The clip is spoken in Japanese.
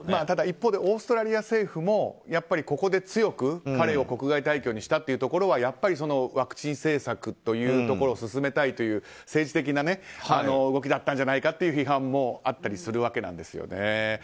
ただ一方でオーストラリア政府もここで強く彼を国外退去にしたというところはやっぱりワクチン政策を進めたいという政治的な動きだったんじゃないかという批判もあったりするわけなんです。